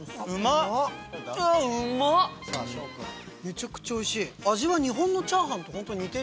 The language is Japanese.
めちゃくちゃおいしい！